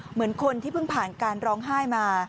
เหมือนคนที่เพิ่งผ่านการร้องไห้มา